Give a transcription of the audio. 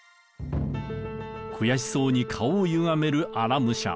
悔しそうに顔をゆがめる荒武者。